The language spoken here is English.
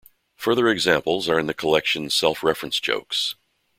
Further examples are in the collection Self-reference jokes.